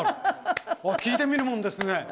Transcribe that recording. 聞いてみるもんですね。